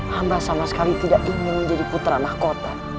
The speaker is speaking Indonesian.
hamba sama sekali tidak ingin menjadi putra mahkota